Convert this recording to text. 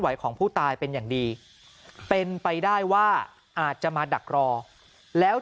ของผู้ตายเป็นอย่างดีเป็นไปได้ว่าอาจจะมาดักรอแล้ว